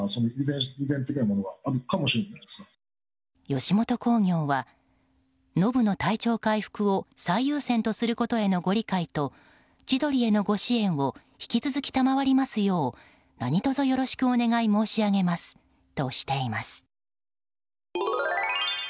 吉本興業はノブの体調回復を最優先とすることへのご理解と千鳥へのご支援を引き続き賜りますよう何卒よろしくお願い申し上げますとしています。